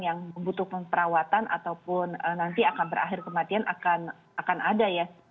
yang membutuhkan perawatan ataupun nanti akan berakhir kematian akan ada ya